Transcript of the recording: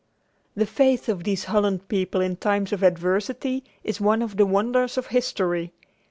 The faith of these Holland people in times of adversity is one of the wonders of history.